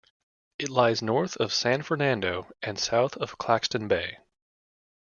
It lies north of San Fernando and south of Claxton Bay.